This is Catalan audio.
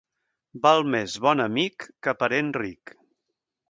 Val més bon amic que parent ric.